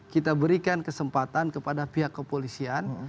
kita berikan kesempatan kepada pihak kepolisian